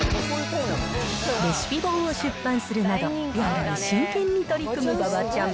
レシピ本を出版するなど、料理に真剣に取り組む馬場ちゃん。